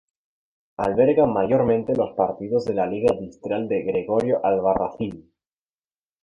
Alberga mayormente los partidos de la Liga Distrital de Gregorio Albarracín.